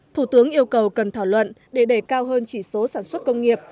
thủ tướng yêu cầu cần thảo luận để đề cao hơn chỉ số sản xuất công nghiệp